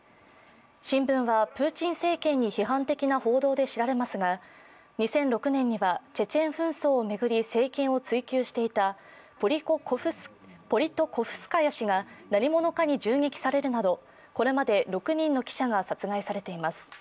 新聞はプーチン政権に批判的な報道で知られますが２００６年にはチェチェン紛争を巡り政権を追及していたポリトコフスカヤ氏が何者かに銃撃されるなど、これまでに６人の記者が殺害されています。